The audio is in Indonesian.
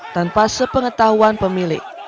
tanpa sepengetahuan pemilik